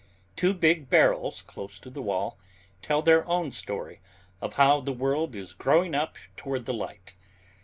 Two big barrels close to the wall tell their own story of how the world is growing up toward the light.